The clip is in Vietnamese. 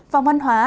vòng văn hóa